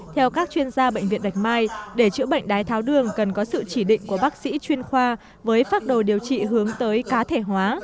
theo các chuyên gia bệnh viện bạch mai để chữa bệnh đái tháo đường cần có sự chỉ định của bác sĩ chuyên khoa với phác đồ điều trị hướng tới cá thể hóa